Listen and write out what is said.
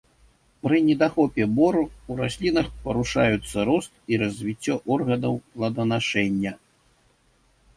Пры недахопе бору ў раслінах парушаюцца рост і развіццё органаў плоданашэння.